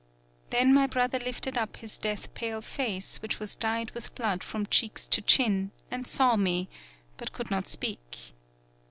Then my brother lifted up his death pale face which was dyed with blood from cheeks to chin, and saw me, but could not speak.